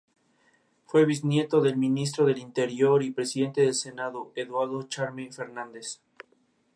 Fue bisnieto del ministro del Interior y presidente del Senado, Eduardo Charme Fernández.